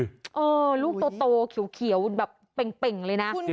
เออลูกโตเขียวแบบเป่งเลยนะ